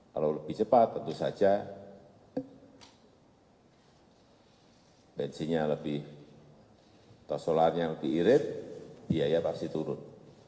kalau lebih cepat tentu saja bensinnya lebih atau solarnya lebih irit biaya pasti turun